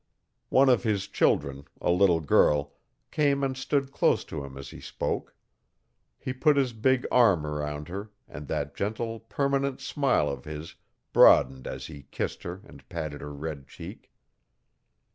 One of his children a little girl came and stood close to him as he spoke. He put his big arm around her and that gentle, permanent smile of his broadened as he kissed her and patted her red cheek.